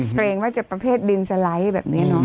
เกรงว่าจะประเภทดินสไลด์แบบนี้เนอะ